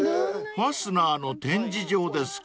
［ファスナーの展示場ですか］